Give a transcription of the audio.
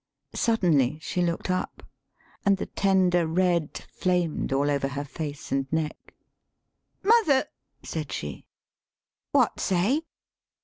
Suddenly she looked up, and the tender red flamed all over her face and neck. " Moth er," [said she]. "What say?"